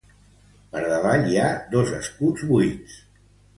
Per davall hi ha dos escuts buits.